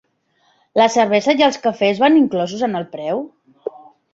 La cervesa i els cafès van inclosos en el preu?